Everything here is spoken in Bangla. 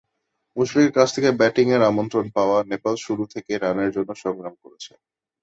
মুশফিকের কাছ থেকে ব্যাটিংয়ের আমন্ত্রণ পাওয়া নেপাল শুরু থেকেই রানের জন্য সংগ্রাম করেছে।